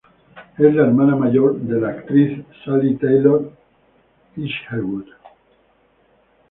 Es la hermana mayor de la actriz Sally Taylor-Isherwood.